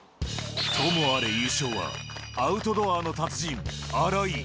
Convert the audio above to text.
ともあれ優勝は、アウトドアの達人、荒井。